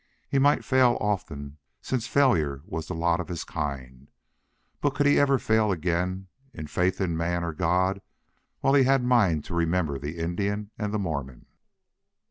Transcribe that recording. He might fail often, since failure was the lot of his kind, but could he ever fail again in faith in man or God while he had mind to remember the Indian and the Mormon?